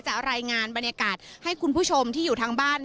รายงานบรรยากาศให้คุณผู้ชมที่อยู่ทางบ้าน